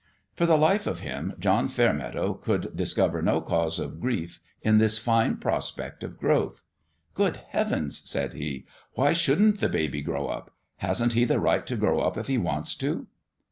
For the life of him, John Fairmeadow could discover no cause of grief in this fine prospect of growth. "Good heavens 1" said he, "why shouldn't the baby grow up? Hasn't he the right to grow up if he wants to